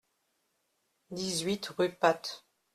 dix-huit rue Path